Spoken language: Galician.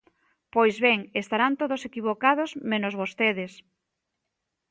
Pois ben, estarán todos equivocados menos vostedes.